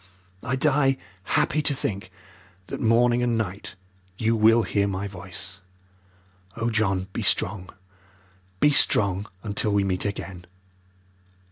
I die happy to think that morning and night you will hear my voice. Oh, John, be strong, be strong, until we meet again."